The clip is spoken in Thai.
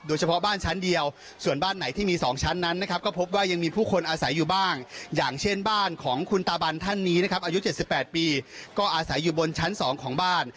เฉพาะบ้านชั้นเดียวส่วนบ้านไหนที่มี๒ชั้นนั้นนะครับก็พบว่ายังมีผู้คนอาศัยอยู่บ้างอย่างเช่นบ้านของคุณตาบันท่านนี้นะครับอายุ๗๘ปีก็อาศัยอยู่บนชั้น๒ของบ้าน